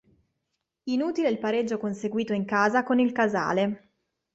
Inutile il pareggio conseguito in casa con il Casale.